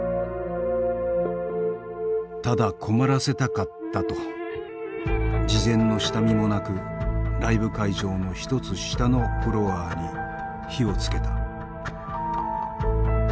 「ただ困らせたかった」と事前の下見もなくライブ会場の１つ下のフロアに火をつけた。